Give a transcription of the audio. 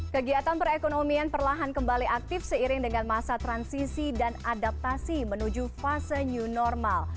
kegiatan perekonomian perlahan kembali aktif seiring dengan masa transisi dan adaptasi menuju fase new normal